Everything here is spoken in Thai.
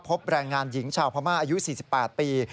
แรงงานหญิงชาวพม่าอายุ๔๘ปี